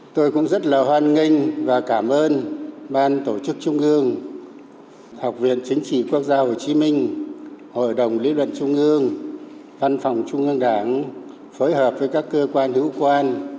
tôi cũng rất là hoan nghênh và cảm ơn ban tổ chức trung ương học viện chính trị quốc gia hồ chí minh hội đồng lý luận trung ương văn phòng trung ương đảng phối hợp với các cơ quan hữu quan